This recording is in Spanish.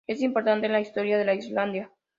Es importante en la historia de Islandia.